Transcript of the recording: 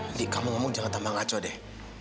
indi kamu ngomong jangan tambah ngaco deh